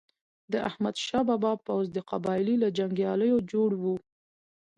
د احمد شاه بابا پوځ د قبایلو له جنګیالیو جوړ و.